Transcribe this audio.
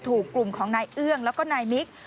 ถูกกลุ่มของนายเอื้องแล้วก็นายมิก